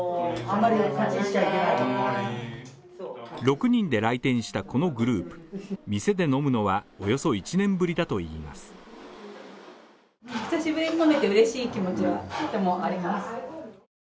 ６人で来店したこのグループ店で飲むのはおよそ１年ぶりだといいます。